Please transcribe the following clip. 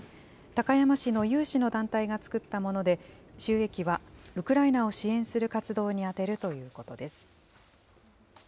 高山市の有志の団体が作ったもので、収益はウクライナを支援する活動に充てるということです。